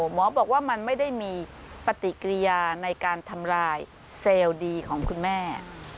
หมอบอกว่ามันไม่ได้มีปฏิกิริยาในการทำลายเซลล์ดีของคุณแม่